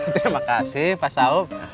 terima kasih pak sao